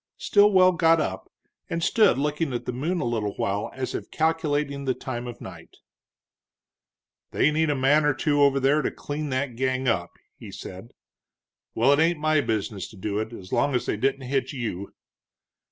Stilwell got up, and stood looking at the moon a little while as if calculating the time of night. "They need a man or two over there to clean that gang up," he said. "Well, it ain't my business to do it, as long as they didn't hit you."